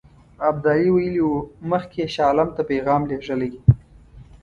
ابدالي ویلي وو مخکې یې شاه عالم ته پیغام لېږلی.